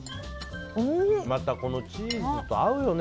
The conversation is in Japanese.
また、このチーズと合うよね